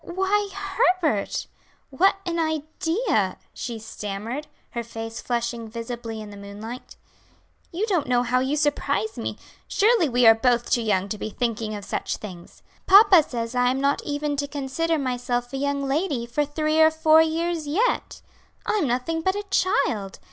"Why, Herbert; what an idea!" she stammered, her face flushing visibly in the moonlight. "You don't know how you surprise me; surely we are both too young to be thinking of such things. Papa says I am not even to consider myself a young lady for three or four years yet. I'm nothing but a child.